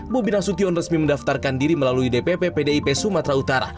bobi nasution resmi mendaftarkan diri melalui dpp pdip sumatera utara